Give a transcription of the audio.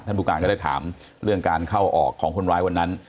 ผู้การก็ได้ถามเรื่องการเข้าออกของคนร้ายวันนั้น